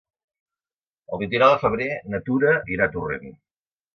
El vint-i-nou de febrer na Tura irà a Torrent.